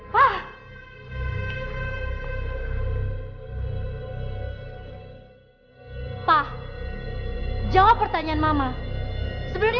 bisa lah kita ambil